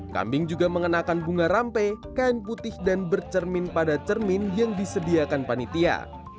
kambing juga mengenakan bunga rampe kain putih dan bercermin pada cermin yang disediakan panitia